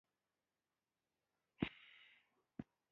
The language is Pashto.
اغوستلو ته مجبورولې.